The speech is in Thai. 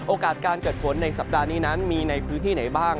โอกาสการเกิดฝนในสัปดาห์นี้นั้นมีในพื้นที่ไหนบ้าง